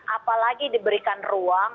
apalagi diberikan ruang